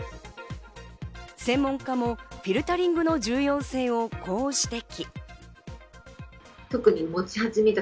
専門家もフィルタリングの重要性をこう指摘。